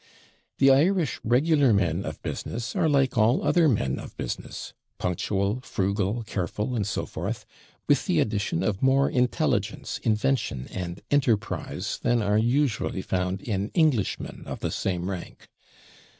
The Irish regular men of business are like all other men of business punctual, frugal, careful, and so forth; with the addition of more intelligence, invention, and enterprise than are usually found in Englishmen of the same rank.